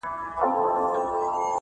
چي پیدا کړي لږ ثروت بس هوایې سي,